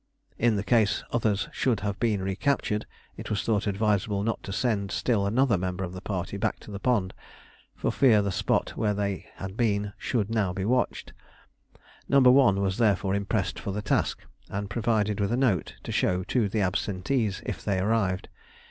In case the others should have been recaptured, it was thought advisable not to send still another member of the party back to the pond, for fear the spot where they had been should now be watched. No. 1 was therefore impressed for the task, and provided with a note to show to the absentees, if they arrived.